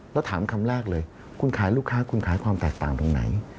แล้วถามคำแรกเลยคุณขายลูกค้าคุณขายความแตกต่างตรงไหน